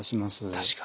確かに。